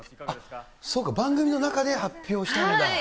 そうか、番組の中で発表したんだ。